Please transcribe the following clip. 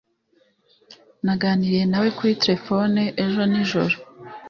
Naganiriye nawe kuri terefone ejo nijoro